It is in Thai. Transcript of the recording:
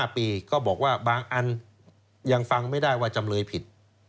๕ปีก็บอกว่าบางอันยังฟังไม่ได้ว่าจำเลยผิด